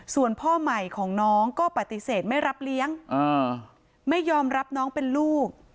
ส่วนพ่อใหม่ของน้องก็ปฏิเสธไม่รับเลี้ยงไม่ยอมรับน้องเป็นลูก